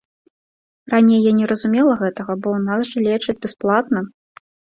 Раней я не разумела гэтага, бо ў нас жа лечаць бясплатна.